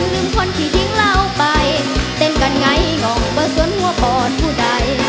หนึ่งคนที่ทิ้งเราไปเต้นกันไงง่องเบอร์ส่วนหัวปอดผู้ใด